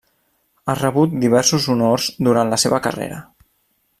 Ha rebut diversos honors durant la seva carrera.